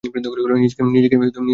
নিজেই নিজেকে এই শাস্তি দিচ্ছি।